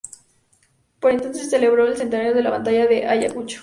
Por entonces se celebró el centenario de la batalla de Ayacucho.